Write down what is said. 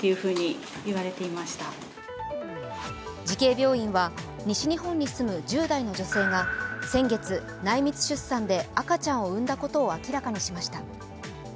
慈恵病院は西日本に住む１０代の女性が内密出産で赤ちゃんを産んだことを明らかにしました。